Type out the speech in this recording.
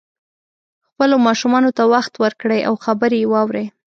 خپلو ماشومانو ته وخت ورکړئ او خبرې یې واورئ